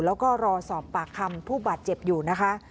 แล้วก็รอสอบปากคำผู้บาดเจ็บอยู่นะคะ